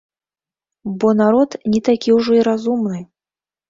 Бо народ не такі ўжо і разумны.